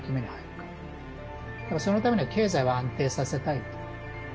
だから、そのためには経済を安定させたいと。